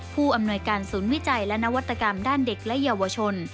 ผู้อำนวยการศูนย์วิจัยและนวัตกรรมด้านเด็กและเยาวชน